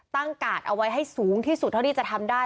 กาดเอาไว้ให้สูงที่สุดเท่าที่จะทำได้